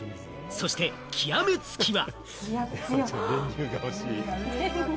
そして極めつきは。